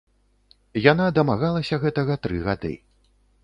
Яна дамагалася гэтага тры гады.